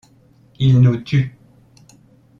Ils nous tuent.